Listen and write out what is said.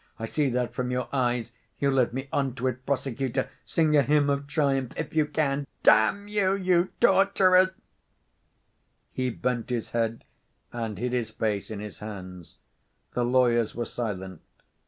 I see that from your eyes. You led me on to it, prosecutor? Sing a hymn of triumph if you can.... Damn you, you torturers!" He bent his head, and hid his face in his hands. The lawyers were silent.